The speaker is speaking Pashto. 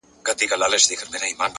صبر د هیلو د ونې ساتونکی دی.!